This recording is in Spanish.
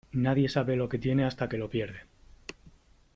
Nadie sabe lo que tiene hasta que lo pierde.